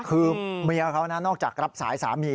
คือเมียเขานะนอกจากรับสายสามี